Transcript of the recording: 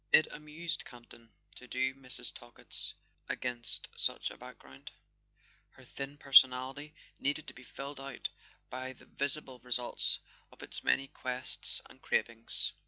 It amused Campton to do Mrs. Talkett against such a background: her thin personality needed to be filled out by the visible results of its many quests and cravings.